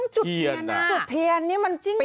จุดเทียนนี่มันจริงเหรอ